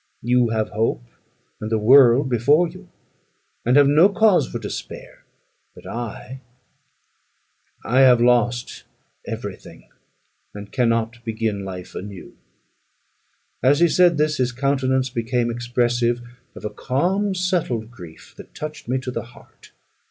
You have hope, and the world before you, and have no cause for despair. But I I have lost every thing, and cannot begin life anew." As he said this, his countenance became expressive of a calm settled grief, that touched me to the heart.